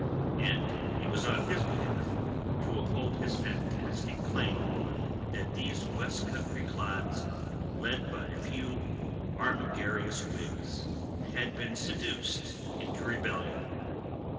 And it was on his behalf, to uphold his fantastic claim, that these West Country clods, led by a few armigerous Whigs, had been seduced into rebellion!